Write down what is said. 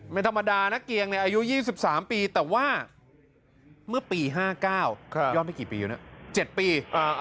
ไม่ธรรมดานะเกียงอายุ๒๓ปีแต่ว่าเมื่อปี๕๙ยอดไม่กี่ปีอยู่นะ๗ปี